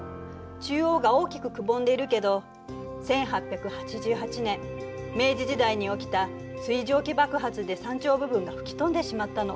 中央が大きくくぼんでいるけど１８８８年明治時代に起きた水蒸気爆発で山頂部分が吹き飛んでしまったの。